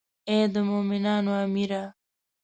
ای د مومنانو امیره.